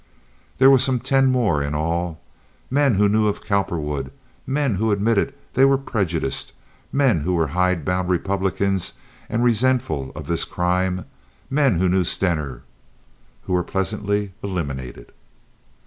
There were some ten more in all—men who knew of Cowperwood, men who admitted they were prejudiced, men who were hidebound Republicans and resentful of this crime, men who knew Stener—who were pleasantly eliminated.